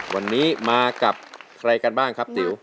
วันนี้มากับใครกันบ้างครับติ๋ว